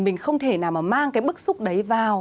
mình không thể nào mà mang cái bức xúc đấy vào